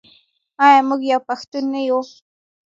آیا موږ یو پښتون نه یو؟